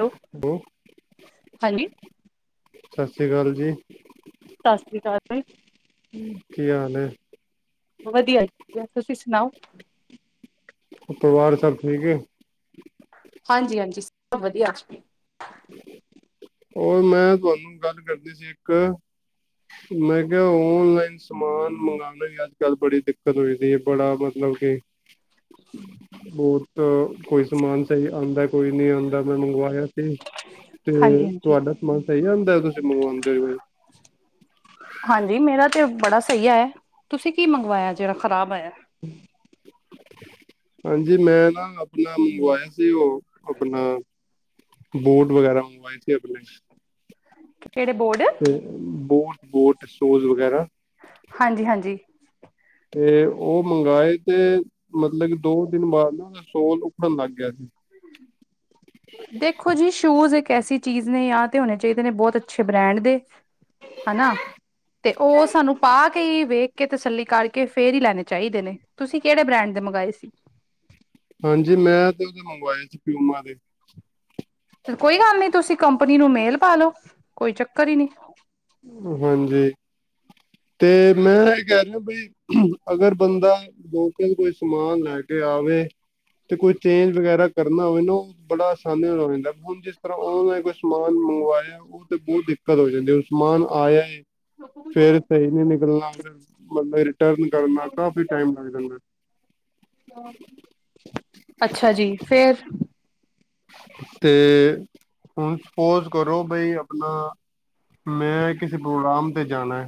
Hello hello! ਹਾਂਜੀ ਸਾਸ੍ਰੀਕਾਲ ਜੀ। ਸਾਸ੍ਰੀਕਾਲ ਜੀ। ਕੀ ਹਾਲ ਏ? ਵਧੀਆ ਜੀ, ਤੁਸੀਂ ਸੁਣਾਓ? ਪਰਵਾਰ ਸਭ ਠੀਕ ਏ? ਹਾਂਜੀ - ਹਾਂਜੀ, ਸਭ ਵਧੀਆ। ਹੋਰ ਮੈਂ ਤੁਆਨੂੰ ਗੱਲ ਕਰਨੀ ਸੀ ਇੱਕ। ਮੈਂ ਕਿਆ ਔਨਲਾਈਨ ਸਮਾਨ ਮੰਗਾਣਾ ਵੀ ਅੱਜ ਕੱਲ੍ਹ ਬੜੀ ਦਿੱਕਤ ਹੋਈ ਦੀ ਏ, ਬੜਾ ਮਤਲਬ ਕਿ ਬਹੁਤ ਕੋਈ ਸਮਾਨ ਸਹੀ ਆਉਂਦਾ, ਕੋਈ ਨਹੀਂ ਆਉਂਦਾ, ਮੈਂ ਮੰਗਵਾਇਆ। ਤੇ ਹਾਂਜੀ ਤੁਹਾਡਾ ਸਮਾਨ ਸਹੀ ਹੁੰਦਾ, ਤੁਸੀਂ ਮੰਗਵਾਉਂਦੇ ਹੋ? ਹਾਂਜੀ, ਮੇਰਾ ਤੇ ਬੜਾ ਸਹੀ ਆਇਆ, ਤੁਸੀਂ ਕੀ ਮੰਗਵਾਇਆ? ਜਿਹੜਾ ਖ਼ਰਾਬ ਆਇਆ। ਹਾਂਜੀ, ਮੈਂ ਨਾ ਆਪਣਾ ਮੋਬਾਇਲ ਸੀ, ਉਹ ਆਪਣਾ ਬੂਟ ਵਗੈਰਾ ਮੰਗਵਾਏ ਸੀ ਆਪਣੇ। ਕਿਹੜੇ ਬੋਡ? ਬੂਟ-ਬੂਟ ਸੂਜ਼ ਵਗੈਰਾ। ਹਾਂਜੀ-ਹਾਂਜੀ। ਤੇ ਉਹ ਮੰਗਵਾਏ ਤੇ ਮਤਲਬ ਦੋ ਦਿਨ ਬਾਅਦ ਨਾ ਉਹਦਾ ਸੋਲ ਉੱਠਣ ਲੱਗ ਗਿਆ ਸੀ। ਹਮ। ਦੇਖੋ ਜੀ, ਸ਼ੂਜ ਇੱਕ ਐਸੀ ਚੀਜ਼ ਨੇ, ਜਾਂ ਤੇ ਹੋਣੇ ਚਾਹੀਦੇ ਨੇ ਬਹੁਤ ਅੱਛੇ ਬ੍ਰੈਂਡ ਦੇ। ਹਨਾ। ਤੇ ਉਹ ਸਾਨੂੰ ਪਾ ਕੇ ਹੀ ਵੇਖ ਕੇ, ਤਸੱਲੀ ਕਰਕੇ, ਫੇਰ ਹੀ ਲੈਣੇ ਚਾਹੀਦੇ ਨੇ। ਤੁਸੀਂ ਕਿਹੜੇ ਬ੍ਰੈਂਡ ਦੇ ਮੰਗਵਾਏ ਸੀ? ਹਾਂਜੀ ਮੈਂ ਤੇ ਉਹਦੇ ਮੰਗਵਾਏ ਸੀ ਫਿਊਮਾ ਦੇ। ਕੋਈ ਗੱਲ ਨੀ, ਤੁਸੀਂ ਕੰਪਨੀ ਨੂੰ ਮੇਲ ਪਾਦੋ, ਕੋਈ ਚੱਕਰ ਹੀ ਨਹੀਂ। ਹਾਂਜੀ। ਤੇ ਮੈਂ ਇਹ ਕਹਿ ਰਿਹਾ, ਬਈ ਅਗਰ ਬੰਦਾ ਲੋਕਲ ਕੋਈ ਸਮਾਨ ਲੈ ਕੇ ਆਵੇ, ਤੇ ਕੋਈ ਚੇਂਜ ਵਗੈਰਾ ਕਰਨਾ ਹੋਵੇ ਨਾ ਬੜਾ ਆਸਾਨੀ ਨਾਲ ਹੋ ਜਾਂਦਾ, ਹੁਣ ਜਿਸ ਤਰ੍ਹਾਂ ਓਨਲਾਈਨ ਕੋਈ ਸਮਾਨ ਮੰਗਵਾਏ, ਉਹ ਤੇ ਬਹੁਤ ਦਿੱਕਤ ਹੋ ਜਾਂਦੀ। ਸਮਾਨ ਆਇਆ ਹੈ। ਫੇਰ ਸਹੀ ਨੀ ਨਿਕਲਣਾ ਫ ਮਤਲਬ ਰਿਟਰਨ ਕਰਨਾ ਕਾਫੀ ਟਮ ਲੱਗ ਜਾਂਦਾ। ਅੱਛਾ ਜੀ ਫੇਰ ਤੇ ਹੁਣ ਸਪੋਜ ਕਰੋ ਬਈ ਆਪਣਾ ਮੈਂ ਕਿਸੇ ਪ੍ਰੋਗਰਾਮ ਤੇ ਜਾਣੈ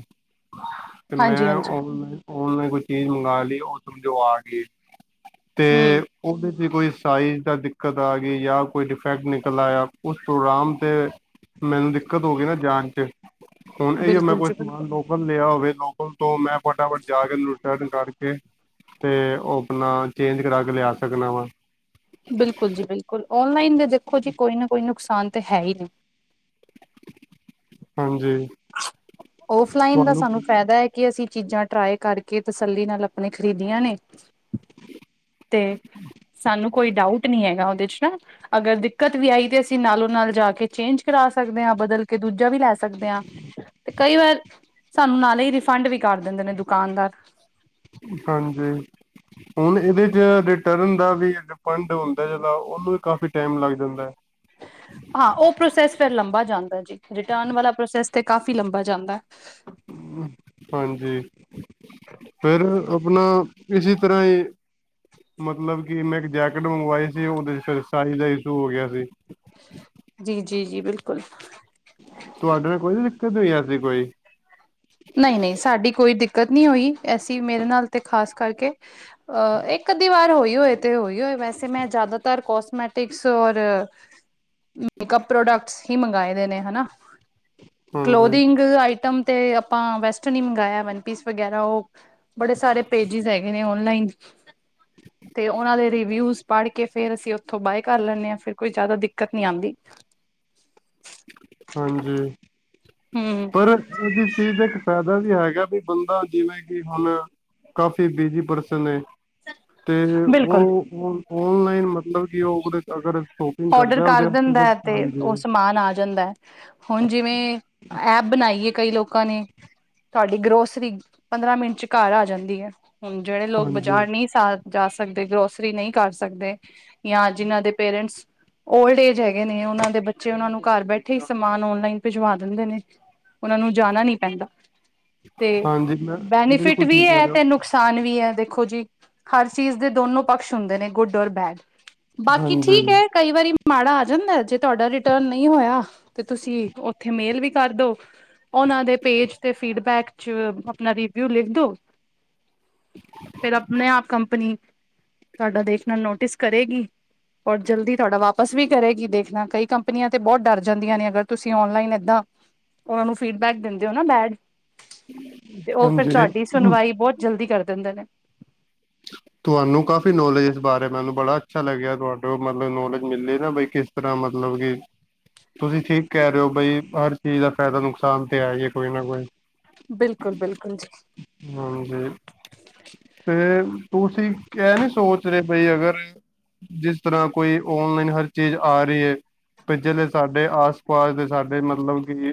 ਤੇ ਹਾਂਜੀ ਮੈਂ ਹਾਂਜੀ ਓਨ - ਓਨਲਾਈਨ ਕੋਈ ਚੀਜ਼ ਮੰਗਾ ਲਈ, ਤੇ ਉਹ ਆ ਗਈ ਤੇ, ਹੂੰ ਉਹਦੇ ਤੇ ਕੋਈ ਸਾਈਜ਼ ਦਾ ਦਿੱਕਤ ਆ ਗ ਯਾ ਕੋਈ ਡਿਫੈਕਟ ਨਿਕਲ ਆਇਆ, ਉਸ ਪ੍ਰੋਗਰਾਮ 'ਤੇ ਮੈਨੂੰ ਦਿੱਕਤ ਹੋ ਗਈ ਨਾ ਜਾਣ 'ਚ, ਹੁਣ ਐਹੀ ਓ ਮੈਂ ਬਿਲਕੁਲ ਕੋਈ ਜੀ ਸਮਾਨ ਬਿਲਕੁਲ ਲੋ ਪਰ ਲਿਆ ਹੋਵੇ ਲੋਕਲ ਤੋਂ, ਮੈਂ ਫਟਾਫਟ ਜਾ ਕੇ ਰਿਟਰਨ ਕਰਕੇ 'ਤੇ ਉਹ ਆਪਣਾ ਚੇਂਜ ਕਰਾ ਕੇ ਲਿਆ ਸਕਨਾ ਵਾਂ। ਬਿਲਕੁਲ ਜੀ, ਬਿਲਕੁਲ। ਔਨਲਾਈਨ ਦੇ ਦੇਖੋ ਜੀ, ਕੋਈ ਨਾ ਕੋਈ ਨੁਕਸਾਨ ਤਾਂ ਹੈ ਈ ਨੇ। ਹਾਂਜੀ ਔਫਲਾਈਨ ਦਾ ਤੁਹਾਨੂੰ ਸਾਨੂੰ ਫਾਇਦਾ ਐ। ਇਹ ਅਸੀਂ ਚੀਜ਼ਾਂ ਟਰਾਈ ਕਰਕੇ, ਤਸੱਲੀ ਨਾਲ ਆਪਣੇ ਖਰੀਦੀਆਂ ਨੇ 'ਤੇ, ਸਾਨੂੰ ਕੋਈ ਡਾਊਟ ਨੀ ਹੈਗਾ ਉਹਦੇ 'ਚ, ਨਾ। ਅਗਰ ਦਿੱਕਤ ਵੀ ਆਈ ਤੇ, ਅਸੀਂ ਨਾਲੋਂ - ਨਾਲ ਜਾ ਕੇ ਚੇਂਜ ਕਰਾ ਸਕਦੇ ਆ। ਬਦਲ ਕੇ ਦੂਜਾ ਵੀ ਲੈ ਸਕਦੇ ਆ। ਤੇ ਕਈ ਵਾਰ, ਸਾਨੂੰ ਨਾਲ ਹੀ ਰਿਫੰਡ ਵੀ ਕਰ ਦੇਂਦੇ ਨੇ ਦੁਕਾਨਦਾਰ। ਹਾਂਜੀ, ਹੁਣ ਇਹਦੇ 'ਚ ਰਿਟਰਨ ਦਾ ਵੀ ਪੰੰਜ ਦਾ ਹੁੰਦਾ ਜਿੱਦਾ, ਉਹਨੂੰ ਵੀ ਕਾਫ਼ੀ ਟੈਮ ਲੱਗ ਜਾਂਦੈ। ਹਾਂ, ਔਹ ਪ੍ਰੋਸੈਸ ਫਿਰ ਲੰਬਾ ਜਾਂਦਾ ਜੇ। ਰਿਟਰਨ ਵਾਲਾ ਪ੍ਰੋਸੈਸ ਤੇ ਕਾਫੀ ਲੰਬਾ ਜਾਂਦੈ। ਹਾਂਜੀ, ਫਿਰ ਆਪਣਾ ਇਸੇ ਤਰ੍ਹਾਂ ਹੀ ਮਤਲਬ ਕਿ ਮੈਂ ਇੱਕ ਜੈਕਟ ਮੰਗਵਾਈ ਸੀ, ਉਹਦੇ 'ਚ ਫਿਰ ਸਾਈਜ਼ ਦਾ ਇਸ਼ੂ ਹੋ ਗਿਆ ਸੀ। ਜੀ- ਜੀ-ਜੀ! ਬਿਲਕੁਲ। ਤੁਹਾਡੇ ਨਾਲ ਕੋਈ ਦਿੱਕਤ ਨੀ ਆਂਦੀ ਕੋਈ? ਨਹੀਂ - ਨਹੀਂ, ਸਾਡੀ ਕੋਈ ਦਿੱਕਤ ਨੀ ਹੋਈ ਐਸੀਂ ਮੇਰੇ ਨਾਲ ਤੇ ਖ਼ਾਸ ਕਰਕੇ। ਅ ਇੱਕ - ਅੱਧੀ ਵਾਰ ਹੋਈ ਹੋਏ ਤੇ ਹੋਈ ਹੋਏ ਵੈਸੇ ਮੈਂ ਜ਼ਿਆਦਾਤਰ ਕੋਸਮੈਟਿਕਸ ਔਰ ਮੇਕਅਪ ਪ੍ਰੋਡਕਟਸ ਹੀ ਮੰਗਾਏ ਦੇ ਨੇ, ਹੈਨਾ। ਹਾਂਜੀ ਕਲੋਦਿੰਗ ਆਈਟਮ ਤੇ ਆਪਾਂ ਵੈਸਟਰਨ ਹੀ ਮੰਗਾਇਆ, ਵਨਪੀਸ ਵਗੈਰਾ ਔਹ ਬੜੇ ਸਾਰੇ ਪੇਜਿਸ ਹੈਗੇ ਨੇ ਔਨਲਾਈਨ। [inaudible] ਤੇ ਉਹਨਾ ਦੇ ਰਿਵਿਊਸ ਪੜ੍ਹ ਕੇ ਫੇਰ ਅਸੀਂ ਓਥੋਂ ਬਾਏ ਕਰ ਲੈਂਨੇ ਆ। ਫਿਰ ਕੋਈ ਜਿਆਦਾ ਦਿੱਕਤ ਨੀ ਆਉਂਦੀ। ਹਾਂਜੀ। ਹੂ ਪਰ ਇਸ ਚੀਜ਼ ਦਾ ਇੱਕ ਫਾਇਦਾ ਵੀ ਹੈਗਾ, ਵੀ ਬੰਦਾ ਜਿਵੇਂ ਕਿ ਹੁਣ ਕਾਫੀ ਬਿਜ਼ੀ ਪਰਸਨ ਏ। ਤੇ ਬਿਲਕੁਲ ਔਹ ਔਨਲਾਈਨ, ਮਤਲਬ ਕਿ ਔਹ ਉਹਦੇ 'ਚ ਅਗਰ ਸ਼ੋਪਿੰਗ ਔਡਰ ਕਰਦਾ ਉਹਦੇ ਕਰ ਵਾਸਤੇ ਦਿੰਦਾ ਤਾਂ ਹੈ, ਤੇ ਉਹ ਹਾਂਜੀ ਸਮਾਨ ਆ ਜਾਂਦਾ ਹੈ। ਹੁਣ ਜਿਵੇਂ, ਐਪ ਬਣਾਈਏ ਕਈ ਲੋਕ ਲੋਕਾਂ ਨੇ, ਤੁਹਾਡੀ ਗਰੋਸਰੀ ਪੰਦਰਾਂ ਮਿੰਟ ਚ' ਘਰ ਆ ਜਾਂਦੀ ਐ। ਹੁਣ ਜਿਹੜੇ ਲੋਕ ਹਾਂਜੀ ਬਾਜ਼ਾਰ ਨਈਂ ਸ ਹਾਲ ਜਾ ਸਕਦੇ, ਗਰੋਸਰੀ ਨਈਂ ਕਰ ਸਕਦੇ। ਯਾ ਜਿਨਾਂ ਦੇ ਪੇਰੈਂਟਸ ਔਲਡ ਏਜ ਹੈਗੇ ਨੇ, ਉਹਨਾਂ ਦੇ ਬੱਚੇ ਉਹਨਾਂ ਨੂੰ ਘਰ ਬੈਠੇ ਹੀ ਸਮਾਨ ਔਨਲਾਈਨ ਭਿਜਵਾ ਦਿੰਦੇ ਨੇ। ਉਨ੍ਹਾ ਨੂੰ ਜਾਣਾ ਨੀ ਪੈਂਦਾ। ਤੇ ਹਾਂਜੀ ਮੈਂ ਬੈਨੀਫਿਟ ਬਿਲਕੁਲ ਵੀ, ਠੀਕ ਕਹਿ ਹੈ ਰਹੇ ਤੇ ਹੋ ਨੁਕਸ ਧਾਨ ਵੀ ਹੈ। ਦੇਖੋ ਜੀ। ਹਰ ਚੀਜ਼ ਦੇ ਦੋਨੋ ਪਕਸ਼ ਹੁੰਦੇ ਨੇ, ਗੁੱਡ ਔਰ ਬੈਡ। ਬਾਕੀ ਠੀਕ ਹਾਂਜੀ ਹੈ ਕਈ ਵਾਰੀ ਮਾੜਾ ਆ ਜਾਂਦਾ ਜੇ ਤੁਹਾਡਾ ਰਿਟਰਨ ਨਹੀਂ ਹੋਇਆ। ਤੇ ਤੁਸੀਂ, ਉੱਥੇ ਮੇਲ ਵੀ ਕਰਦੋ। ਉਹਨਾਂ ਦੇ ਪੇਜ ਤੇ ਫੀਡਬੈਕ 'ਚ ਆਪਣਾ ਰਿਵਿਊ ਲਿਖ ਦੋ। ਫਿਰ ਆਪਣੇ ਆਪ ਕੰਪਨੀ ਤੁਹਾਡਾ ਦੇਸ਼ ਨਾਲ ਨੋਟਿਸ ਕਰੇਗੀ। ਔਰ ਜਲਦੀ ਤੁਹਾਡਾ ਵਾਪਸ ਵੀ ਕਰੇਗੀ ਦੇਖਣਾ, ਕਈ ਕੰਪਨੀਆਂ ਤੇ ਬਹੁਤ ਡਰ ਜਾਂਦੀਆਂ ਨੇ ਅਗਰ ਤੁਸੀਂ ਔਨਲਾਈਨ ਏਦਾਂ ਉਨ੍ਹਾਂ ਨੂੰ ਫੀਡਬੈਕ ਦਿੰਦੇ ਹੋ ਨਾ ਬੈਡ ਤੇ ਉਹ ਫਿਰ ਹਾਂਜੀ ਤੁਹਾਡੀ ਸੁਣਵਾਈ ਬਹੁਤ ਜਲਦੀ ਕਰ ਦਿੰਦੇ ਨੇ। ਤੁਹਾਨੂੰ ਕਾਫ਼ੀ ਨੌਲੇਜ ਇਸ ਬਾਰੇ ਮੈਨੂੰ ਬੜਾ ਅੱਛਾ ਲੱਗਿਆ ਤੁਹਾਡੇ ਮਤਲਬ ਨੌਲੇਜ ਮਿਲੀ ਨਾ ਬਈ ਕਿਸ ਇਸ ਤਰ੍ਹਾਂ ਮਤਲਬ ਕਿ, ਤੁਸੀਂ ਠੀਕ ਕਹਿ ਰਹੇ ਹੋ ਬਈ ਪਰ ਚੀਜ਼ ਦਾ ਫ਼ਾਇਦਾ ਨੁਕਸਾਨ ਤੇ ਆ ਕੋਈ ਨਾ ਕੋਈ। ਬਿਲਕੁਲ ਬਿਲਕੁਲ ਜੀ। ਹਾਂ, ਮੈਂ ਤੇ ਤੁਸੀ ਕ ਨੀ ਸੋਚ ਰਹੇ ਪਏ ਅਗਰ ਜਿਸ ਤਰ੍ਹਾਂ ਕੋਈ ਔਨਲਾਈਨ ਹਰ ਚੀਜ਼ ਆ ਰਹੀ ਹੈ। ਪਿਛਲੇ ਸਾਡੇ ਆਸ -ਪਾਸ ਦੇ ਸਾਡੇ ਮਤਲਬ, ਕਿ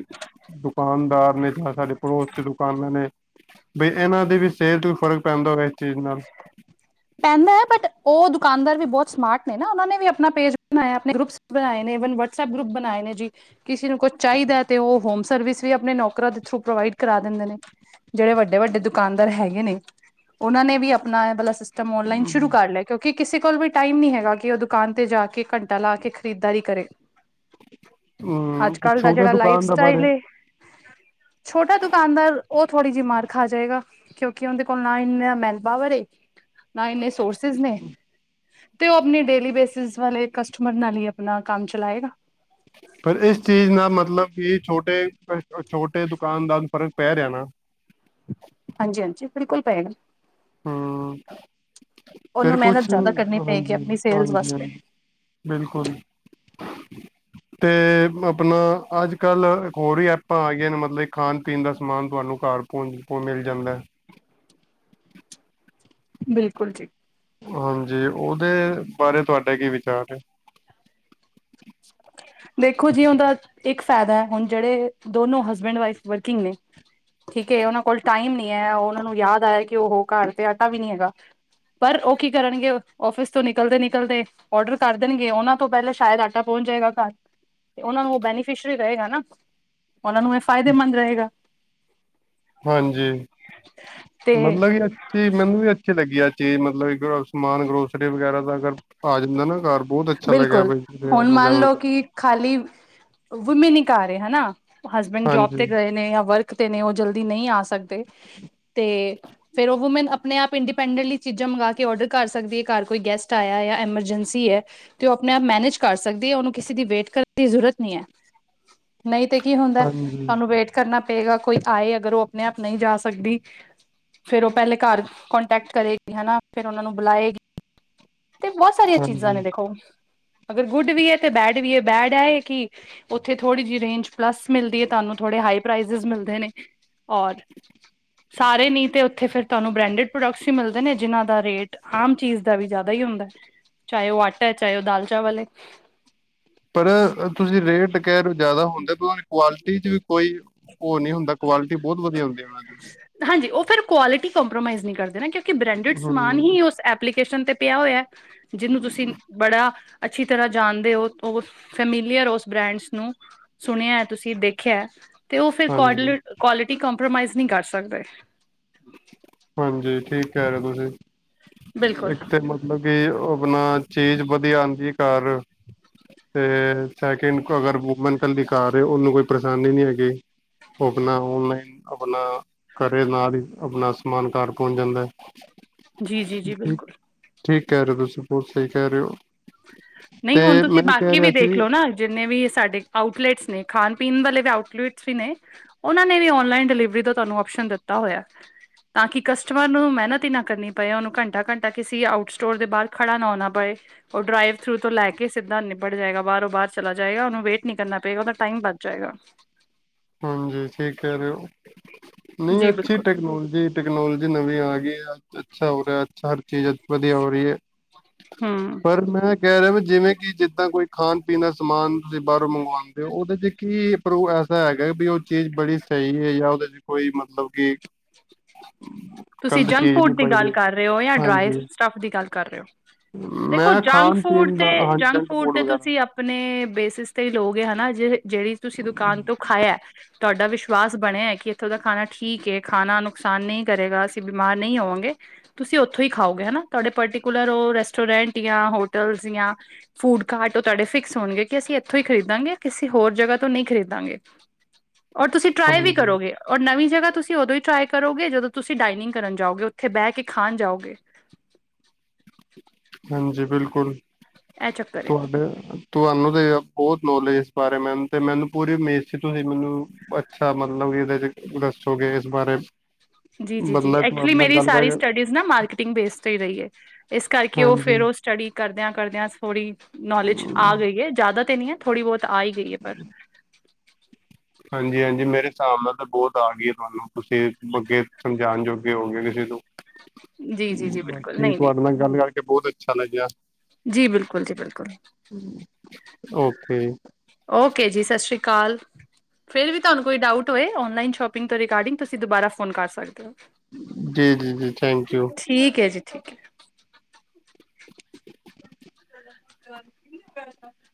ਦੁਕਾਨਦਾਰ ਨੇ ਸਾਡੇ ਪੜੋਸ ਚ' ਦੁਕਾਨਾਂ ਨੇ, ਬਈ ਇਹਨਾਂ ਦੀ ਵੀ ਸੇਲ ਚ' ਵੀ ਫ਼ਰਕ ਪੈਂਦਾ ਹੋਵੇ ਇਸ ਚੀਜ਼ ਨਾਲ। ਪੈਂਦਾ ਹੈ‌ ਬਟ, ਉਹ ਦੁਕਾਨਦਾਰ ਵੀ ਬਹੁਤ ਸਮਾਰਟ ਨੇ ਨਾ, ਉਹਨਾਂ ਨੇ ਵੀ ਆਪਣਾ ਪੇਜ ਬਣਾਇਆ ਆਪਣੇ ਗਰੁੱਪ ਬਣਾਏ ਨੇ, ਵਨ ਵਟਸਐਪ ਗਰੁੱਪ ਬਣਾਏ ਨੇ ਜੀ। ਕਿਸੇ ਨੂੰ ਕੁਛ ਚਾਹੀਦਾ ਹੈ ਤੇ ਉਹ ਹੋਮ ਸਰਵਿਸ ਵੀ ਆਪਣੇ ਨੌਕਾਂ ਦੇ ਥਰੂ ਪ੍ਰੋਵਾਈਡ ਕਰਾ ਦਿੰਦੇ ਨੇ। ਜਿਹੜੇ ਵੱਡੇ -ਵੱਡੇ ਦੁਕਾਨਦਾਰ ਹੈਗੇ ਨੇ, ਉਹਨਾਂ ਨੇ ਵੀ ਆਪਣਾ ਮਤਲਬ ਤਾਂ ਮ ਨਲਾਈਨ ਸ਼ੁਰੂ ਕਰ ਲੈ। ਕਿਉਂਕਿ ਕਿਸੇ ਕੋਲ ਵੀ ਟਾਈਮ ਨੀ ਹੈਗਾ ਕਿ ਉਹ ਦੁਕਾਨ ਤੇ ਜਾ ਕੇ ਘੰਟਾ ਲਾ ਕੇ ਖਰੀਦਦਾਰੀ ਕਰੇ। ਹੂ, ਅੱਜ ਤੇ ਕੱਲ ਦਾ ਛੋਟੇ ਜਿਹੜਾ ਲਾਈਫ ਦੁਕਾਨ ਦੇ ਸਟਾਈਲ ਬਾਰੇ ਏ ਛੋਟਾ ਦੁਕਾਨਦਾਰ ਉਹ ਥੋੜ੍ਹੀ ਜਿਹੀ ਮਾਰ ਖਾ ਜਾਏਗਾ, ਕਿਉਂਕਿ ਉਹਦੇ ਕੋਲ ਨਾ ਇੰ ਮੈਨ ਪਾਵਰ ਏ। ਨਾ ਇੰਨੇ ਸੋਰਸਿਸ ਨੇ। ਤੇ ਉਹ ਆਪਣੀ ਡੇਲੀ ਬੇਸਿਸ ਵਾਲੇ ਕਸਟਮਰ ਨਾਲ ਹੀ ਆਪਣਾ ਕੰਮ ਚਲਾਏਗਾ। ਫ ਇਸ ਚੀਜ਼ ਨਾਲ ਮਤਲਬ ਕਿ ਛੋਟੇ- ਛੋਟੇ ਦੁਕਾਨਦਾਰ ਨੂੰ ਫਰਕ ਪੈ ਰਿਹਾ ਨਾ। ਹਾਂਜੀ -ਹਾਂਜੀ ਬਿਲਕੁਲ ਪਏਗਾ। ਹੂੰ ਉਹਨੂੰ ਫਿਰ ਮਿਹਨਤ ਕੁਛ ਜ਼ਿਆਦਾ ਕਰਨੀ ਪਏਗੀ ਹਾਂਜੀ ਆਪਣੀ ਸੇਲਸ -ਹਾਂਜੀ ਵਾਸਤੇ -ਹਾਂਜੀ। ਬਿਲਕੁਲ। ਤੇ ਆਪਣਾ ਅੱਜ-ਕੱਲ੍ਹ ਹੋਰ ਹੀ ਐਪਾਂ ਆ ਗਈਆਂ ਨੇ, ਮਤਲਬ ਖਾਣ- ਪੀਣ ਦਾ ਸਮਾਨ ਤੁਹਾਨੂੰ ਘਰ। [unintelligible] ਮਿਲ ਜਾਂਦਾ ਬਿਲਕੁਲ ਜੀ। ਹਾਂਜੀ, ਉਹਦੇ ਬਾਰੇ ਤੁਹਾਡੇ ਕੀ ਵਿਚਾਰ ਨੇ। [unintelligible] ਦੇਖੋ ਜੀ, ਉਹਦਾ ਇੱਕ ਫਾਇਦਾ ਹੈ। ਹੁਣ ਜਿਹੜੇ ਦੋਨੋ ਹਸਬੈਂਡ ਵਾਈਫ- ਵਰਕਿੰਗ ਨੇ। ਠੀਕ, ਉਹਨਾਂ ਕੋਲ ਟਾਈਮ ਨੀ ਹੈ। ਉਹਨਾਂ ਨੂੰ ਯਾਦ ਆਇਆ ਕਿ ਉਹ ਘਰ ਤੇ ਆਟਾ ਵੀ ਨਹੀਂ ਹੈਗਾ। ਪਰ ਉਹ ਕੀ ਕਰਨਗੇ? ਆਫਿਸ ਤੋਂ ਨਿਕਲਦੇ -ਨਿਕਲਦੇ ਔਡਰ ਕਰ ਦੇਣਗੇ। ਉਹਨਾਂ ਤੋਂ ਪਹਿਲੇ ਸ਼ਾਇਦ। ਪਹੁੰਚ ਜਾਏਗਾ ਘਰ ਤੇ। ਉਹਨਾਂ ਨੂੰ ਉਹ ਬੈਨੀਫਿਸ਼ਰੀ ਰਹੇਗਾ ਨਾ। ਉਹਨਾਂ ਨੂੰ ਇਹ ਫਾਇਦੇਮੰਦ ਰਹੇਗਾ। ਹਾਂਜੀ, ਤੇ ਮਤਲਬ ਕਿ ਚੀ ਮੈਨੂੰ ਵੀ ਅੱਛੀ ਲੱਗੀ ਆ, ਚੀਜ਼ ਮਤਲਬ ਸਮਾਨ ਗਰੋਸਰੀ ਵਗੈਰਾ ਦਾ ਅਗਰ ਆ ਜਾਂਦਾ ਨਾ ਘਰ। ਬਹੁਤ ਅੱਛਾ ਲਗਿਆ ਬਿਲਕੁਲ ਬਾਈ ਹੁਣ ਆਣਾ ਮੰਨ ਜਾਣਾ ਲਓ ਦਾ। ਕਿ ਖਾਲੀ ਵੂਮਿਨ ਹੀ ਕਰ ਰਹੇ ਹਨਾ ਹਸਬੈਂਡ ਜੋਬ ਤੇ ਹਾਂਜੀ ਗਏ ਨੇ ਜਾਂ ਵਰਕ। ਨੇ ਉਹ ਜਲਦੀ ਨਹੀਂ ਆ ਸਕਦੇ ਤੇ। ਫਿਰ ਉਹ ਵੂਮੈਨ ਆਪਣੇ ਆਪ ਇੰਡੀਪੈਂਡੈਂਟਲੀ ਚੀਜ਼ਾਂ ਮੰਗਗਾਵਾ ਕੇ ਔਡਰ ਕਰ ਸਕਦੀ ਏ, ਘਰ ਕੋਈ ਗੈਸਟ ਆਇਆ ਜਾਂ ਐਮਰਜੈਂਸੀ ਐ। ਤੇ ਉਹ ਆਪਣੇ ਆਪ ਮੈਨੇਜ ਕਰ ਸਕਦੀ ਏ, ਉਹਨੂੰ ਕਿਸੇ ਦੀ ਵੇਟ ਕਰਨ ਦੀ ਜ਼ਰੂਰਤ ਨ ਨਹੀਂ ਐ। ਨਹੀਂ ਤੇ ਕੀ ਹੁੰਦਾ ਹਾਂਜੀ ਤੁਹਾਨੂੰ ਵੇਟ। ਕਰਨਾ ਪਏਗਾ ਕੋਈ ਆਏ ਅਗਰ ਉਹ ਆਪਣੇ ਆਪ ਨਹੀਂ ਜਾ ਸਕਦੀ। ਫੇਰ ਉਹ ਪਹਿਲੇ ਘਰ ਕੋਂਟੈਕਟ ਕਰੇਗੀ, ਹਨਾ ਫੇਰ ਉਹਨਾਂ ਨੂੰ ਬੁਲਾਏਗੀ। ਤੇ ਬਹੁਤ ਸਾਰੀਆਂ ਚੀਜ਼ਾਂ ਨੇ ਹਾਂਜੀ ਦੇਖੋ, ਅਗਰ ਗੁੱਡ ਵੀ ਏ ਤੇ ਬੈਡ ਵੀ ਏ ਬੈਡ ਐ ਕਿ ਉਓਥੇ ਥੋੜੀ ਜਿਹੀ ਰੇਂਜ ਪਲਸ ਮਿਲਦੀ ਏ ਤੁਹਾਨੂੰ ਥੋੜੇ ਹਾਈ ਪ੍ਰਜ ਮਿਲਦੇ ਨੇ ਔਰ। ਸਾਰੇ ਨੀ ਤੇ ਉੱਥੇ ਫਿਰ ਤੁਹਾਨੂੰ ਬ੍ਰੈਂਡਡ ਪ੍ਰੋਡਕਟਸ ਈ ਮਿਲਦੇ ਨੇ ਜਿਨਾਂ ਦਾ ਰੇਟ। ਆਮ ਚੀਜ਼ ਦਾ ਵੀ ਜ਼ਿਆਦਾ ਈ ਹੁੰਦਾ ਚਾਹੇ ਉਹ ਆਟਾ ਐ ਚਾਹੇ ਉਹ ਦਾਲ ਚਾਵਲ ਐ। ਪਰ ਤੁਸੀਂ ਰੇਟ ਕਹਿ ਰੇ ਓ ਜਿਆਦਾ ਹੁੰਦੇ ਕੁਆਲਿਟੀ ਚ ਵੀ ਕੋਈ ਓ ਨਹੀਂ ਹੁੰਦਾ। ਪਰ ਕੁਆਲਿਟੀ ਬਹੁਤ ਵਧੀਆ ਹੁੰਦੀ ਉਹਨਾਂ ਦੀ। ਹਾਂਜੀ, ਉਹ ਫਿਰ ਕੁਆਲਿਟੀ ਕੰਪਰੋਮਾਈਜ਼ ਨਹੀਂ ਕਰਦੇ ਨਾ, ਕਿਉਂਕਿ ਬ੍ਰੈਂਡਡ ਸਮਾਨ ਹੂੰ ਹੀ ਉਸ ਐਪ। ਐਪਲੀਕੇ ਤੇ ਪਿਆ ਹੋਇਆ, ਜਿਹਨੂੰ ਤੁਸੀਂ ਬੜਾ। ਅੱਛੀ ਤਰ੍ਹਾਂ ਜਾਣਦੇ ਹੋ, ਸਮੀਲੀਅਰ ਓ ਉਸ ਬ੍ਰਾਂਡ ਨੂੰ। ਸੁਣਿਆ ਤੁਸੀਂ ਦੇਖਿਆ ਤੇ ਉਹ ਫਿਰ ਹਾਂਜੀ ਕੁਆਲਿਟੀ ਕੰਪ੍ਰੋਮਾਈਜ਼ ਨਹੀਂ ਕਰ ਸਕਦੇ। ਹਾਂਜੀ ਠੀਕ ਕਹਿ ਰਹੇ ਤੁਸੀਂ, ਬਿਲਕੁਲ ਇੱਕ ਤੇ ਮਤਲਬ ਕਿ ਆਪਣਾ ਚੀਜ਼ ਵਧੀਆ ਆਉਂਦੀ ਘਰ ਤੇ ਸੈਕਿੰਡ ਅਗਰ ਵੂਮੈਨ ਇਕੱਲੀ ਘਰ ਏ ਉਹਨੂੰ ਕੋਈ ਪਰੇਸ਼ਾਨੀ ਨਹੀਂ ਹੈਗੀ। ਉਹ ਆਪਣਾ ਔਨਲਾਈਨ ਆਪਣਾ ਘਰੇ ਨਾਲ ਹੀ ਆਪਣਾ ਸਮਾਨ ਘਰ ਪਹੁੰਚ ਜਾਂਦਾ ਐ। ਜੀ, ਜੀ, ਜੀ ਬਿਲਕੁਲ। ਠੀਕ ਕਹਿ ਰਹੇ ਹੋ, ਤੁਸੀਂ ਬਹੁਤ ਸਹੀ ਕਹਿ ਰੇ ਓ। ਨਹੀਂ ਹੁਣ ਤੁਸੀਂ ਬਾਕੀ ਵੀ ਸੀ ਦੇਖਲੋ ਨਾ, ਜਿੰਨੇ ਵੀ ਸਾਡੇ ਆਊਟਲੇੈਟਸ ਨੇ ਖਾਣ ਪੀਣ ਵਾਲੇ ਵੀ ਆਊਟਲੇਟਸ ਈ ਨੇ। ਓਹਨਾਂ ਨੇ ਵੀ ਓਨਲਾਈਨ ਡਿਲੀਵਰੀ ਦਾ ਤੁਹਾਨੂੰ ਔਪਸ਼ਨ ਦਿੱਤਾ ਹੋਇਆ। ਤਾਂ ਕਿ ਕਸਟਮਰ ਨੂੰ ਮਿਹਨਤ ਈ ਨਾ ਕਰਨੀ ਪਏ ਉਨੂੰ ਘੰਟਾ-ਘੰਟਾ ਕਿਸੇ ਆਊਟ ਸਟੋਰ ਦੇ ਬਾਰ ਖੜਾ ਨਾ ਹੋਣਾ ਪਏ। ਓ ਡਰਾਈਵ ਥਰੂ ਤੋਂ ਲੈ ਕੇ ਸਿੱਧਾ ਨਿਬੜ ਜਾਏਗਾ ਬਾਰੋਂ ਬਾਰ ਚਲਾ ਜਾਏਗਾ ਓਨੂੰ ਵੇਟ ਨ ਕਰਨਾ ਪਏਗਾ ਓਦਾਂ ਟਾਇਮ ਬੱਚ ਜਾਏਗਾ। ਹਾਂਜੀ ਠੀਕ ਕੈ ਰਏ ਓ ਨਈ ਜੀ ਅੱਛੀ ਬਿਲਕੁਲ ਟੈਕਨੋਲਜੀ ਟੈਕਨੋਲੋਜੀ ਨਵੀ ਆ ਗਈ ਐ ਅੱਛਾ ਹੋ ਰਿਆ ਹਰ ਚੀਜ਼ ਵਧੀਆ ਹੋ ਰਈ ਏ। ਹੂੰ ਪਰ ਮੈਂ ਗੈਰਾ ਜਿਵੇਂ ਕਿ ਜਿੱਦਾਂ ਕੋਈ ਖਾਣ ਪੀਣ ਦਾ ਸਮਾਨ ਤੁਸੀਂ ਬਾਰੋਂ ਮੰਗਵਾਂਦੇ ਹੋ ਉਦੇ 'ਚ ਕੀ ਪ੍ਰੋਰ ਐ ਹੈਗਾ ਵੀ ਓ ਚੀਜ਼ ਬੜੀ ਸਈ ਐ ਜਾਂ ਓਦੇ 'ਚ ਕੋਈ ਮਤਲਬ ਕੀ ਤੁਸੀਂ ਜੰਕ ਫੂਡ ਦੀ ਗੱਲ ਕਰ ਰਏ ਓ ਜਾਂ ਡਰਾਏ ਹਾਂਜੀ ਸਟਫ ਦੀ ਗੱਲ ਕਰ ਰਏ ਓ। ਦੇਖੋ ਮੈਂ ਜੰਕ ਖਾਣ ਫੂਡ ਪੀਣ ਤੇ ਦਾ ਹਾਂਜੀ ਜੰਕ ਫੂਡ ਤੇ ਵਗੈਰਾ ਤੁਸੀਂ ਆ ਆਪਣੇ ਬੇਸਿਸ ਤੇ ਲੋਕ ਹਨਾ ਜੇ ਜੇੜੀ ਤੁਸੀਂ ਦੁਕਾਨ ਤੋਂ ਖਾਇਆ। ਤੁਹਾਡਾ ਵਿਸ਼ਵਾਸ ਬਣਿਆ ਐ ਕਿ ਇੱਥੋਂ ਦਾ ਖਾਣਾ ਠੀਕ ਏ ਖਾਣਾ ਨੁਕਸਾਨ ਨਈ ਕਰੇਗਾ। ਅਸੀਂ ਬਿਮਾਰ ਨਈ ਹੋਵਾਂਗੇ। ਤੁਸੀਂ ਉੱਥੋਂ ਹੀ ਖਾਓਗੇ ਹਨਾ ਤੁਹਾਡੇ ਪਰਟੀਕੁਲਰ ਰੈਸਟੋਰੈਂਟ ਯਾ ਹੋਟਲ ਜਾਂ ਫੂਡ ਕਾਰਾਟ ਓ ਤੁਹਾਡੇ ਫਿਕਸ ਹੋਣਗੇ ਕਿ ਅਸੀਂ ਇੱਥੋਂ ਹੀ ਖਰੀਦਾਂਗੇ ਕਿਸੇ ਹੋਰ ਜਗ੍ਹਾ ਤੋਂ ਨਈ ਖਰੀਦਾਂਗੇ। [inaudible] ਔਰ ਤੁਸੀਂ ਟਰਾਈ ਵੀ ਹਾਂਜੀ ਕਰੋਗੇ ਔਰ ਨਵੀ ਜਗ੍ਹਾ ਤੁਸੀਂ ਉਦੋਂ ਹੀ ਟਰਾਈ ਕਰੋਗੇ ਜਦੋਂ ਤੁਸੀਂ ਡਾਇਨਿੰਗ ਕਰਨ ਜਾਓਗੇ ਉੱਥੇ ਬੈ ਕੇ ਖਾਣ ਜਾਓਗੇ। ਹਾਂਜੀ ਬਿਲਕੁਲ ਇਹ ਚੱਕਰ ਏ ਤੁਆਡੇ ਤੁਹਾਨੂੰ ਤੇ ਬੋਤ ਨੌਲੇਜ ਇਸ ਬਾਰੇ ਮੈਮ ਤੇ ਮੈਨੂੰ ਪੂਰੀ ਉਮੀਦ ਸੀ ਤੁਸੀਂ ਮੈਨੂੰ ਅੱਛਾ ਮਤਲਬ ਇਦੇ 'ਚ ਦੱਸੋਗੇ। ਬਾਰੇ ਜੀ-ਜੀ-ਜੀ ਬਦਲਾ ਐਕਚੁਲੀ ਤੁਹਾਡੇ ਨਾਲ ਮੇਰੀ ਗੱਲ ਸਾਰੀ ਕਰਕੇ ਸਟੱਡੀਜ਼ ਨਾ ਮਾਰਕੀਟਿੰਗ ਬੇਸਡ ਰਈ ਏ ਇਸ ਕਰਕੇ ਓ ਹਾਂਜੀ। ਫਿਰ ਓ ਸਟੱਡੀ ਕਰਦਿਆਂ-ਕਰਦਿਆਂ ਥੋੜੀ ਨੌਲੇਜ ਆ ਗਈ ਏ ਜਾਦਾ ਤੇ ਨਈ ਏ ਥੋੜੀ ਬੋਤ ਆ ਈ ਗਈ ਏ ਪਰ ਹਾਂਜੀ-ਹਾਂਜੀ ਮੇਰੇ ਹਿਸਾਬ ਨਾਲ ਤਾਂ ਬੋਤ ਆ ਗਈ ਏ ਤੁਹਾਨੂੰ ਤੁਸੀਂ ਅੱਗੇ ਸਮਝਾਣ ਜੋਗੇ ਹੋਗੇ ਕਿਸੇ ਨੂੰ ਜੀ ਜੀ ਜੀ ਬਿਲਕੁਲ ਬਾਕੀ ਨਹੀਂ ਨਹੀਂ ਤੁਹਾਡੇ ਨਾਲ ਗੱਲ ਕਰਕੇ ਬੋਤ ਅੱਛਾ ਲੱਗਿਆ। ਜੀ ਬਿਲਕੁਲ ਜੀ-ਬਿਲਕੁਲ ਓਕੇ ਓਕੇ ਜੀ ਸਤਿ ਸ੍ਰੀ ਅਕਾਲ। ਫਿਰ ਵੀ ਤੁਹਾਨੂੰ ਕੋਈ ਡਾਊਟ ਹੋਵੇ ਓਨਲਾਈਨ ਸ਼ੋਪਿੰਗ ਰਿਗਾਰਡਿੰਗ ਤੁਸੀਂ ਦੁਬਾਰਾ ਫੋਨ ਕਰ ਸਕਦੇ ਹੋ। ਜੀ-ਜੀ-ਜੀ ਥੈਂਕ ਯੂ। ਠੀਕ ਐ ਜੀ ਠੀਕ ਐ। [inaudible] [inaudible]